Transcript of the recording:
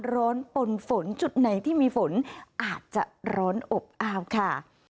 ปนฝนจุดไหนที่มีฝนอาจจะร้อนอบอ้าวค่ะ